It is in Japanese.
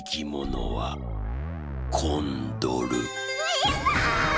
やった！